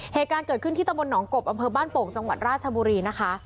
เหตุการณ์เกิดขึ้นที่ตำบลหนองกบอำเภอบ้านโป่งจังหวัดราชบุรีนะคะ